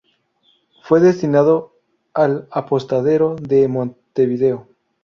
Fue destinado al apostadero de Montevideo.